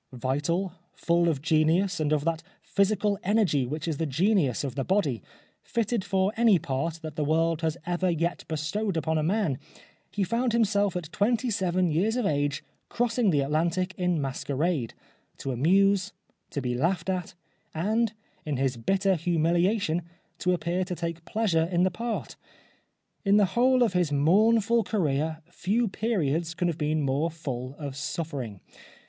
Vital, full of genius and of that physical energy which is the genius of the body, fitted for any part that the world has ever yet bestowed upon a man, he found himself at twenty seven years of age crossing the Atlantic in masquerade, to amuse, to be laughed at, and in his bitter humiliation to appear to take pleasure in the part. In the whole of his mournful career few periods can have been more full of suffering.